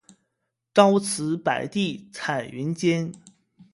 朝辞白帝彩云间